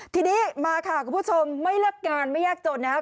ทีนี้มาค่ะคุณผู้ชมไม่เลือกงานไม่ยากจนนะครับ